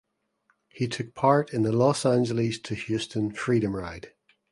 He took part in the Los Angeles to Houston Freedom Ride.